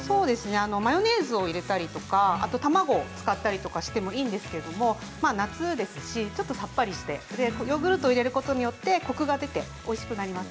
マヨネーズを入れたりとか卵を使ったりしてもいいんですけど夏ですし、ちょっとさっぱりしてヨーグルトを入れることによってコクが出ておいしくなります。